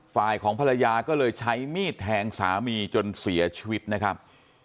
ฝ่ายของภรรยาก็เลยใช้มีดแทงสามีจนเสียชีวิตนะครับ